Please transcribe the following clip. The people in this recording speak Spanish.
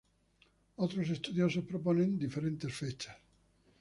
Otros estudiosos proponen diferentes fechas.